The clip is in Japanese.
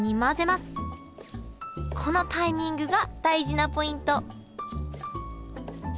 このタイミングが大事なポイント